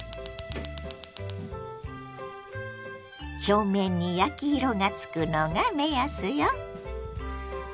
表面に焼き色がつくのが目安よ。